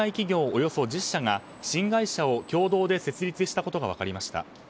およそ１０社が新会社を共同で設立したことが分かりました。